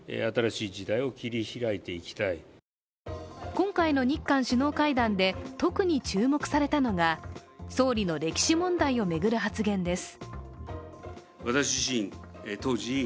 今回の日韓首脳会談で特に注目されたのが総理の歴史問題を巡る発言です。